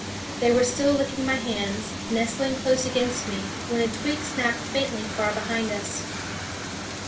They were still licking my hands, nestling close against me, when a twig snapped faintly far behind us.